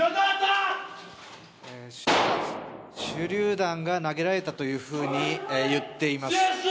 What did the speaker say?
手りゅう弾が投げられたと言っています。